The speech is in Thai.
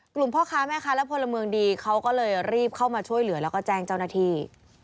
พ่อค้าแม่ค้าและพลเมืองดีเขาก็เลยรีบเข้ามาช่วยเหลือแล้วก็แจ้งเจ้าหน้าที่